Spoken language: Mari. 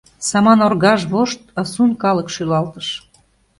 Саман оргаж вошт асун калык шӱлалтыш.